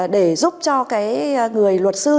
để giúp cho cái người luật sư